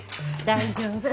大丈夫。